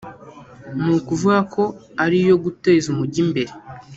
ni ukuvuga ko ari iyo guteza umujyi imbere